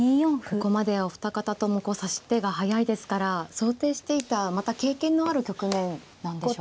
ここまではお二方とも指し手が速いですから想定していたまた経験のある局面なんでしょうか。